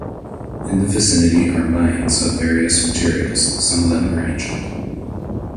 In the vicinity are mines of various materials, some of them very ancient.